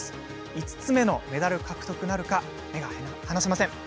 ５つ目のメダル獲得なるか目が離せません。